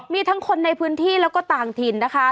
มีทั้งคนในพื้นที่แล้วก็ต่างถิ่นนะคะ